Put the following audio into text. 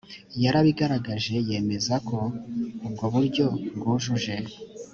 yarabigaragaje yemeza ko ubwo buryo bwujuje